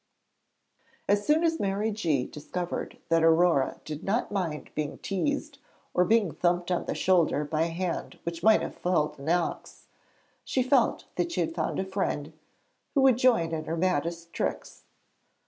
As soon as Mary G. discovered that Aurore did not mind being teased or being thumped on the shoulder by a hand which might have felled an ox, she felt that she had found a friend who would join in her maddest tricks.